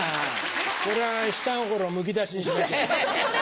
これは下心むき出しにしなきゃ。